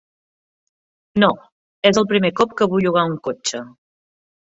No, és el primer cop que vull llogar un cotxe.